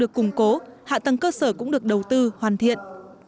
được củng cố hạ tầng cơ sở cũng được đầu tư hoàn thiện